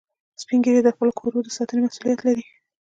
سپین ږیری د خپلو کورو د ساتنې مسئولیت لري